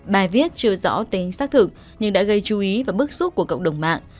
bài viết chưa rõ tính xác thực nhưng đã gây chú ý và bức xúc của cộng đồng mạng